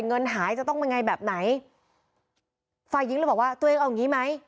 เงินหายจะต้องเป็นไงแบบไหนฝ่ายหญิงเลยบอกว่าตัวเองเอาอย่างงี้ไหม